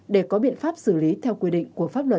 để có biện pháp xử lý theo quy định của pháp luật